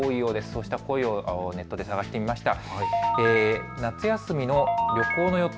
そうした声をネットで探してみました。